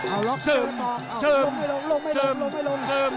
เอาล่ะเจอศอกโล่งไม่ลง